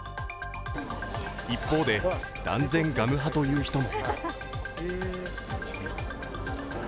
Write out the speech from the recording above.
一方で、断然ガム派という人も。